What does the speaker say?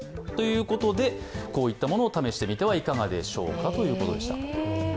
こういったものを試してみてはいかがでしょうかということでした。